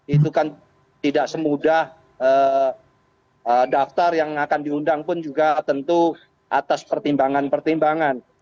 itu kan tidak semudah daftar yang akan diundang pun juga tentu atas pertimbangan pertimbangan